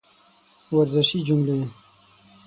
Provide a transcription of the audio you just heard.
ورزشي جملې